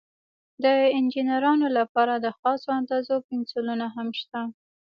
د انجینرانو لپاره د خاصو اندازو پنسلونه هم شته.